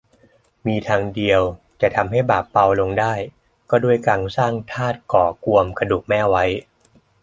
มีทางเดียวจะให้บาปเบาลงได้ก็ด้วยการสร้างธาตุก่อกวมกระดูกแม่ไว้